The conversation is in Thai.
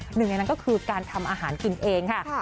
หนึ่งในนั้นก็คือการทำอาหารกินเองค่ะ